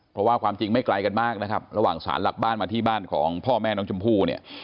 เพราะว่าความจริงไม่ไกลกันมากนะครับระหว่างสารหลักบ้านมาที่บ้านของพ่อแม่น้องชมพู่เนี่ย